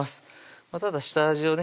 ただ下味をね